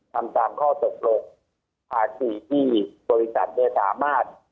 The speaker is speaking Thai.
ทำตามข้อสรรค์ภาษีที่บริษัทจะสามารถ